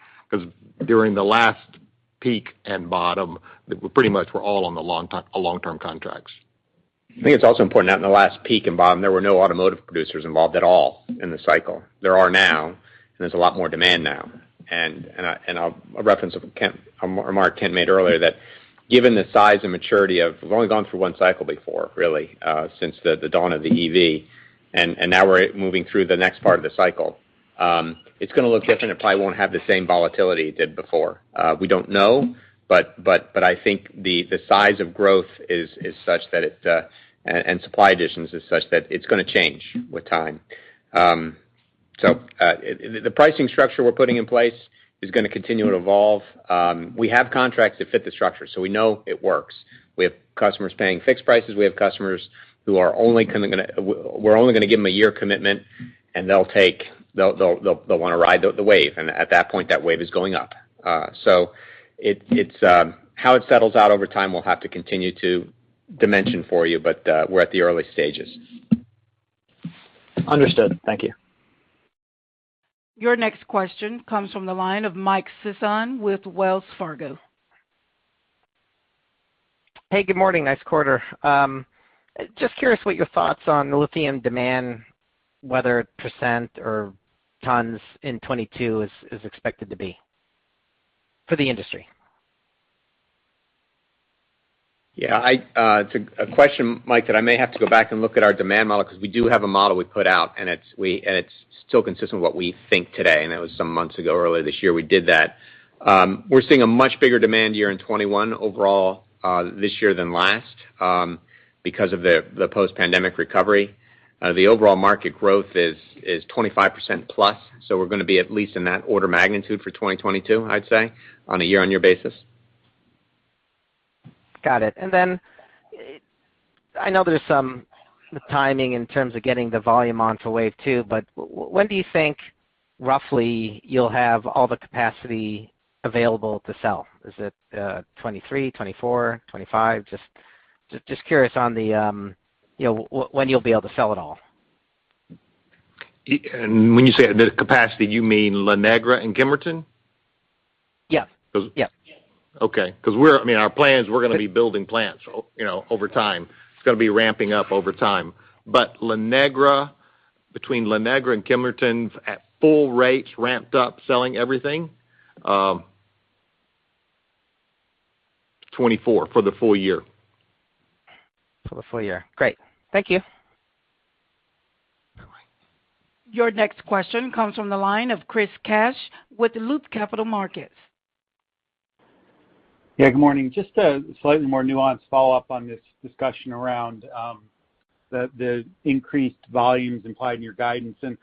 S3: During the last peak and bottom, pretty much were all on the long-term contracts.
S7: I think it's also important, out in the last peak and bottom, there were no automotive producers involved at all in the cycle. There are now, and there's a lot more demand now. A reference, a remark Kent made earlier that given the size and maturity of We've only gone through one cycle before, really, since the dawn of the EV, and now we're moving through the next part of the cycle. It's going to look different. It probably won't have the same volatility it did before. We don't know, but I think the size of growth is such that it, and supply additions, is such that it's going to change with time. The pricing structure we're putting in place is going to continue to evolve. We have contracts that fit the structure, so we know it works. We have customers paying fixed prices. We have customers who we're only going to give them a year commitment, and they'll want to ride the wave, and at that point, that wave is going up. How it settles out over time, we'll have to continue to dimension for you, but we're at the early stages.
S17: Understood. Thank you.
S1: Your next question comes from the line of Michael Sison with Wells Fargo.
S18: Hey, good morning. Nice quarter. Just curious what your thoughts on the lithium demand, whether percent or tons in 2022 is expected to be for the industry?
S7: Yeah. It's a question, Mike, that I may have to go back and look at our demand model because we do have a model we put out, and it's still consistent with what we think today, and that was some months ago. Earlier this year we did that. We're seeing a much bigger demand year in 2021 overall this year than last. Because of the post-pandemic recovery. The overall market growth is 25%+, so we're going to be at least in that order of magnitude for 2022, I'd say, on a year-on-year basis.
S18: Got it. I know there's some timing in terms of getting the volume onto Wave 3, but when do you think roughly you'll have all the capacity available to sell? Is it 2023, 2024, 2025? Just curious on when you'll be able to sell it all.
S3: When you say the capacity, you mean La Negra and Kemerton?
S18: Yes.
S3: Okay. Our plans, we're going to be building plants over time. It's going to be ramping up over time. Between La Negra and Kemerton's at full rates, ramped up, selling everything, 2024 for the full year.
S18: For the full year. Great. Thank you.
S1: Your next question comes from the line of Christopher Kapsch with Loop Capital Markets.
S19: Yeah. Good morning. Just a slightly more nuanced follow-up on this discussion around the increased volumes implied in your guidance. I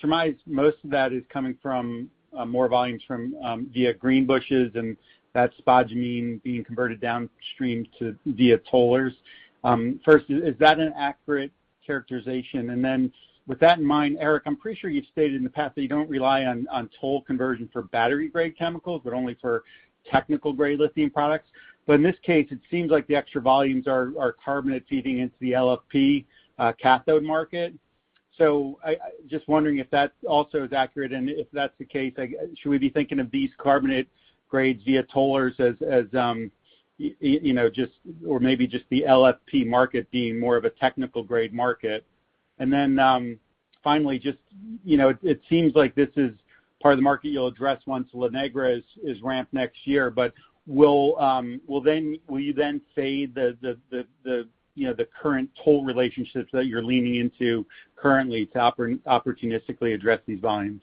S19: surmise most of that is coming from more volumes via Greenbushes and that spodumene being converted downstream via tollers. First, is that an accurate characterization? With that in mind, Eric, I'm pretty sure you've stated in the past that you don't rely on toll conversion for battery grade chemicals, but only for technical grade lithium products. In this case, it seems like the extra volumes are carbonate feeding into the LFP cathode market. Just wondering if that also is accurate, and if that's the case, should we be thinking of these carbonate grades via tollers or maybe just the LFP market being more of a technical grade market? Finally, just it seems like this is part of the market you'll address once La Negra is ramped next year. Will you then say the current toll relationships that you're leaning into currently to opportunistically address these volumes?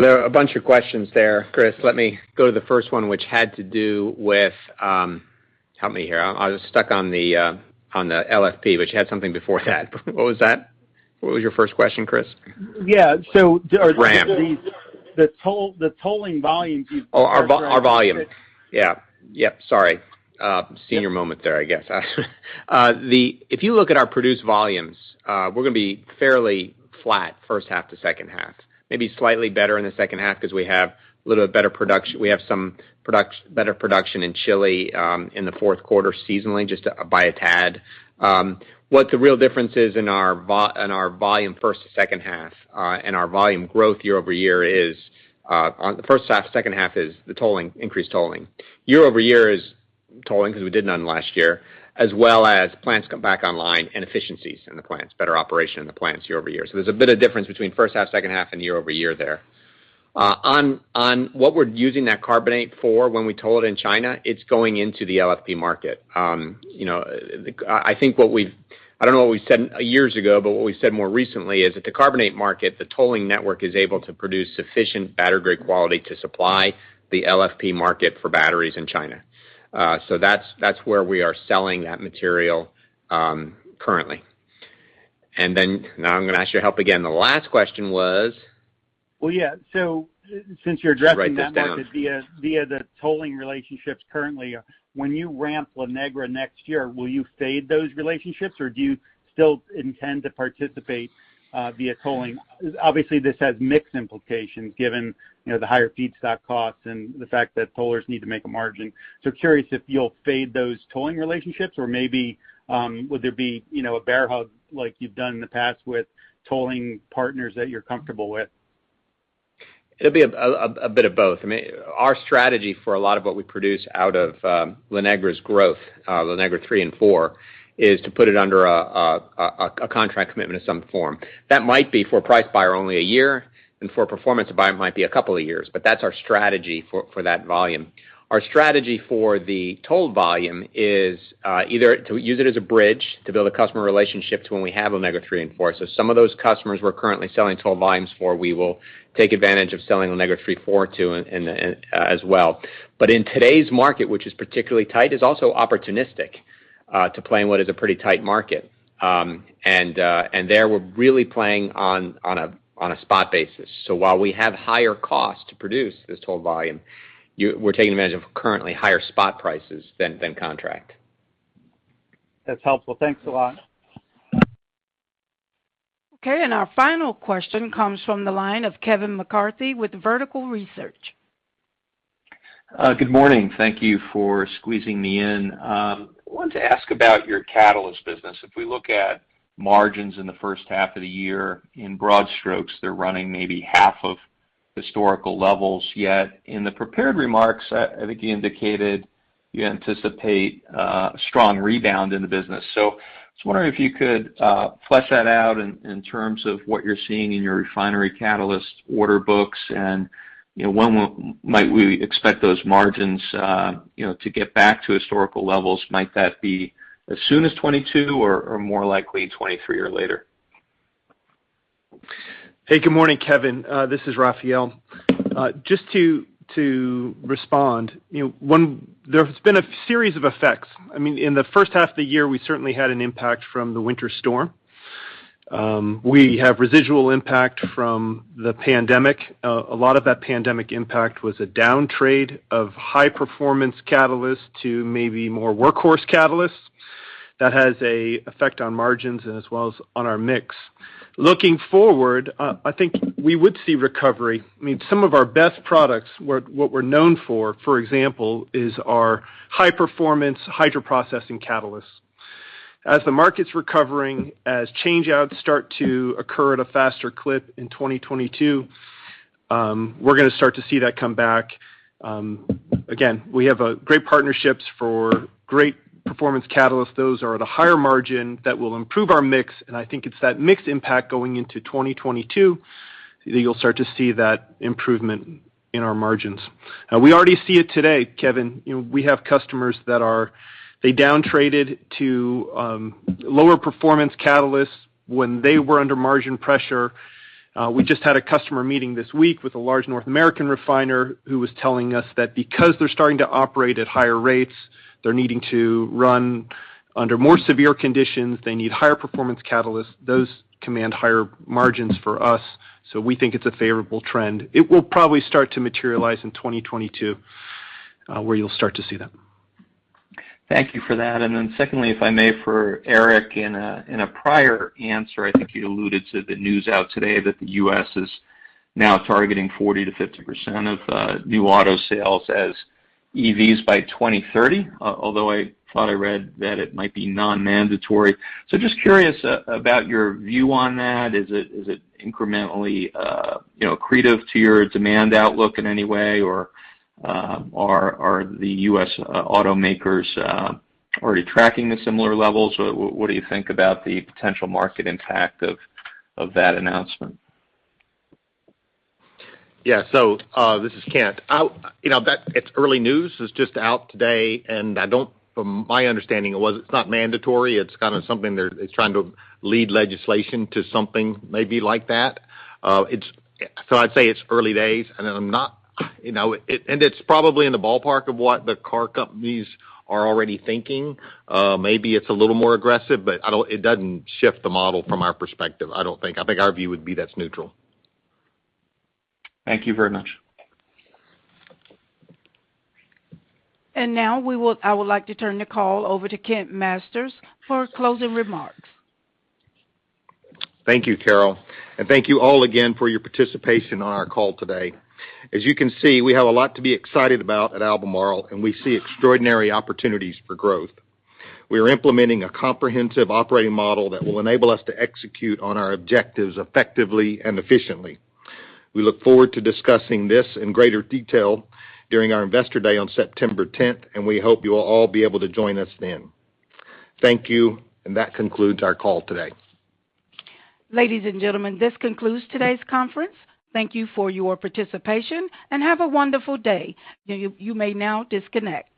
S7: There are a bunch of questions there, Chris. Let me go to the first one, which had to do with Help me here. I was stuck on the LFP, which had something before that. What was that? What was your first question, Chris?
S19: Yeah. So-
S7: Ramp.
S19: ...the tolling volume piece.
S7: Oh, our volume. Yeah. Sorry. Senior moment there, I guess. If you look at our produced volumes, we're going to be fairly flat first half to second half. Maybe slightly better in the second half because we have a little bit better production in Chile, in the fourth quarter seasonally just by a tad. What the real difference is in our volume first to second half, and our volume growth YoY is, on the first half to second half is the increased tolling. YoY is tolling because we did none last year, as well as plants come back online and efficiencies in the plants, better operation in the plants YoY. There's a bit of difference between first half, second half, and YoY there. On what we're using that carbonate for when we toll it in China, it's going into the LFP market. I don't know what we said years ago, but what we said more recently is that the carbonate market, the tolling network is able to produce sufficient battery grade quality to supply the LFP market for batteries in China. That's where we are selling that material currently. Now I'm going to ask your help again. The last question was?
S19: Well, yeah. Since you're addressing that market via the tolling relationships currently, when you ramp La Negra next year, will you fade those relationships or do you still intend to participate via tolling? Obviously, this has mixed implications given the higher feedstock costs and the fact that tollers need to make a margin. Curious if you'll fade those tolling relationships or maybe would there be a bear hug like you've done in the past with tolling partners that you're comfortable with?
S7: It'll be a bit of both. Our strategy for a lot of what we produce out of La Negra's growth, La Negra III and IV, is to put it under a contract commitment of some form. That might be for a price buyer only a year, for a performance buyer it might be a couple years, but that's our strategy for that volume. Our strategy for the tolled volume is either to use it as a bridge to build a customer relationship to when we have La Negra III and IV. Some of those customers we're currently selling tolled volumes for, we will take advantage of selling La Negra III, IV to as well. In today's market, which is particularly tight, is also opportunistic to play in what is a pretty tight market. There, we're really playing on a spot basis. While we have higher cost to produce this tolled volume, we're taking advantage of currently higher spot prices than contract.
S19: That's helpful. Thanks a lot.
S1: Okay, our final question comes from the line of Kevin McCarthy with Vertical Research.
S20: Good morning. Thank you for squeezing me in. I wanted to ask about your catalyst business. If we look at margins in the first half of the year, in broad strokes, they're running maybe half of historical levels, yet in the prepared remarks, Eric indicated you anticipate a strong rebound in the business. I was wondering if you could flesh that out in terms of what you're seeing in your refinery catalyst order books, and when might we expect those margins to get back to historical levels? Might that be as soon as 2022 or more likely 2023 or later?
S21: Hey, good morning, Kevin. This is Raphael. Just to respond, there has been a series of effects. In the first half of the year, we certainly had an impact from the winter storm. We have residual impact from the pandemic. A lot of that pandemic impact was a downtrade of high performance catalysts to maybe more workhorse catalysts. That has an effect on margins and as well as on our mix. Looking forward, I think we would see recovery. Some of our best products, what we're known for example, is our high performance hydroprocessing catalysts. As the market's recovering, as changeouts start to occur at a faster clip in 2022, we're going to start to see that come back. Again, we have great partnerships for great performance catalysts. Those are at a higher margin that will improve our mix, and I think it's that mix impact going into 2022 that you'll start to see that improvement in our margins. We already see it today, Kevin. We have customers that downtraded to lower performance catalysts when they were under margin pressure. We just had a customer meeting this week with a large North American refiner who was telling us that because they're starting to operate at higher rates, they're needing to run under more severe conditions. They need higher performance catalysts. Those command higher margins for us, so we think it's a favorable trend. It will probably start to materialize in 2022, where you'll start to see that.
S20: Thank you for that. Secondly, if I may, for Eric, in a prior answer, I think you alluded to the news out today that the U.S. is now targeting 40%-50% of new auto sales as EVs by 2030. Although I thought I read that it might be non-mandatory. Just curious about your view on that. Is it incrementally accretive to your demand outlook in any way, or are the U.S. automakers already tracking the similar levels? What do you think about the potential market impact of that announcement?
S3: Yeah. This is Kent. It's early news. It's just out today, and from my understanding, it's not mandatory. It's something they're trying to lead legislation to something maybe like that. I'd say it's early days. It's probably in the ballpark of what the car companies are already thinking. Maybe it's a little more aggressive, but it doesn't shift the model from our perspective, I don't think. I think our view would be that's neutral.
S20: Thank you very much.
S1: Now I would like to turn the call over to Kent Masters for closing remarks.
S3: Thank you, Carol. Thank you all again for your participation on our call today. As you can see, we have a lot to be excited about at Albemarle, and we see extraordinary opportunities for growth. We are implementing a comprehensive operating model that will enable us to execute on our objectives effectively and efficiently. We look forward to discussing this in greater detail during our Investor Day on September 10th, and we hope you will all be able to join us then. Thank you, and that concludes our call today.
S1: Ladies and gentlemen, this concludes today's conference. Thank you for your participation, and have a wonderful day. You may now disconnect.